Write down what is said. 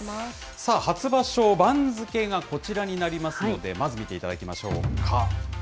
初場所、番付がこちらになりますので、まず見ていただきましょうか。